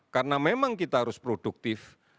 karena memang kita harus produktif